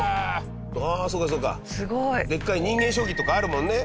ああそうかそうかでっかい人間将棋とかあるもんね。